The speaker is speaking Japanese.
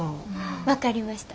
分かりました。